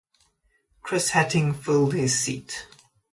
Chris Hattingh filled his seat.